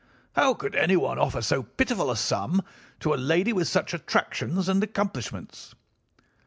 'How could anyone offer so pitiful a sum to a lady with such attractions and accomplishments?